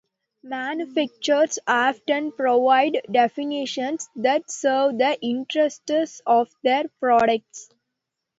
Manufacturers often provide definitions that serve the interests of their products.